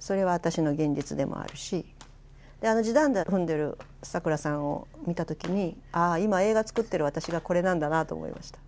それは私の現実でもあるしあの地団駄踏んでるサクラさんを見た時に「ああ今映画を作ってる私がこれなんだな」と思いました。